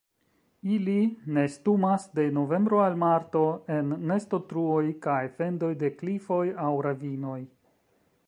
Ili nestumas de novembro al marto en nestotruoj kaj fendoj de klifoj aŭ ravinoj.